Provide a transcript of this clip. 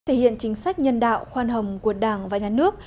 thể hiện chính sách nhân đạo khoan hồng của đảng và nhà nước